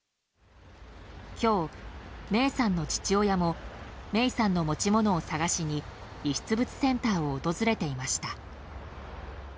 今日、芽生さんの父親も芽生さんの持ち物を探しに遺失物センターを訪れていました。